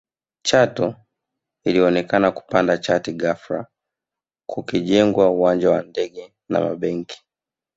Chato ilionekana kupanda chati ghafla kukijengwa uwanja wa ndege na mabenki